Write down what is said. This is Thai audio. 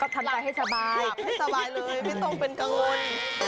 ทำให้สบายเลยไม่ต้องเป็นกังวล